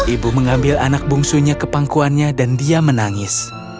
ibu mengambil anak bungsunya ke pangkuannya dan dia menangis